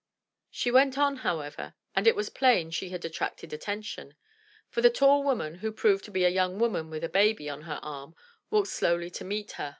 She went on, however, and it was plain she had attracted attention; for the tall woman, who proved to be a young woman with a baby on her arm, walked slowly to meet her.